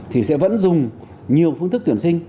thì sẽ vẫn dùng nhiều phương thức tuyển sinh